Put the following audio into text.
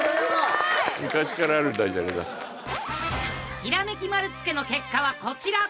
ひらめき丸つけの結果はこちら。